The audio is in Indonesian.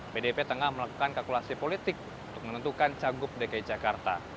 pdip tengah melakukan kalkulasi politik untuk menentukan cagup dki jakarta